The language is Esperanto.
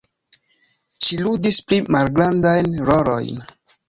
Ŝi ludis pli malgrandajn rolojn.